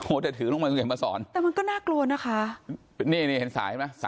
แต่ถือลงมาคุณเห็นมาสอนแต่มันก็น่ากลัวนะคะนี่นี่เห็นสายไหม